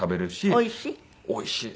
おいしい？